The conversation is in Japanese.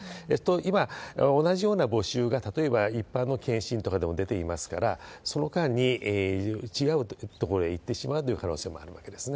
今、同じような募集が例えば一般の健診とかでも出ていますから、その間に、違う所へいってしまうという可能性もあるわけですね。